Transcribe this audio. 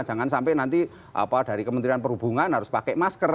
jangan sampai nanti dari kementerian perhubungan harus pakai masker